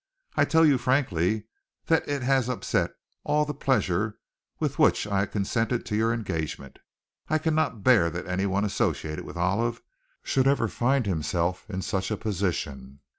I tell you frankly that it has upset all the pleasure with which I consented to your engagement. I cannot bear that anyone associated with Olive should ever find himself in such a position.